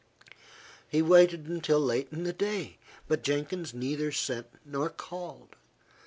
He waited until late in the day, but Jenkins neither sent nor called.